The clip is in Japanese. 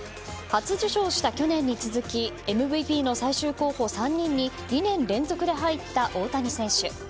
初受賞した去年に続きＭＶＰの最終候補３人に２年連続で入った大谷選手。